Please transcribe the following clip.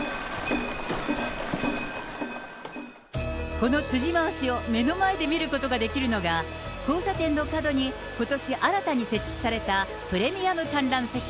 この辻回しを目の前で見ることができるのが、交差点の角にことし新たに設置されたプレミアム観覧席。